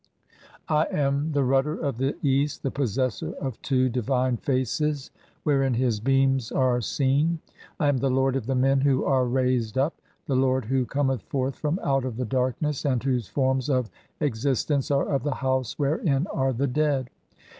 "[I am] the rudder (4) of the east, the possessor of two divine "faces wherein his beams are seen. I am the lord of the men "who are raised up ; [the lord] who cometh forth from out of the "darkness, and (5) whose forms of existence are of the house "wherein are the dead.